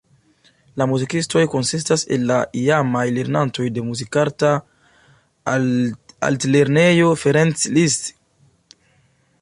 La muzikistoj konsistas el la iamaj lernantoj de Muzikarta Altlernejo Ferenc Liszt.